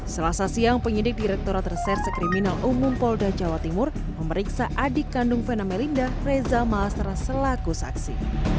selasa siang penyidik direkturat reserse kriminal umum polda jawa timur memeriksa adik kandung vena melinda reza malestra selaku saksi